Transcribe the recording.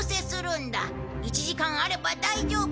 １時間あれば大丈夫。